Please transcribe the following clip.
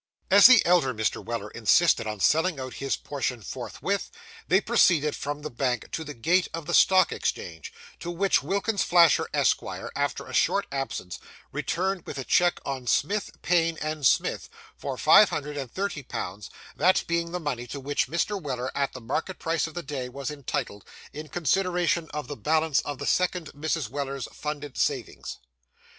As the elder Mr. Weller insisted on selling out his portion forthwith, they proceeded from the bank to the gate of the Stock Exchange, to which Wilkins Flasher, Esquire, after a short absence, returned with a cheque on Smith, Payne, & Smith, for five hundred and thirty pounds; that being the money to which Mr. Weller, at the market price of the day, was entitled, in consideration of the balance of the second Mrs. Weller's funded savings.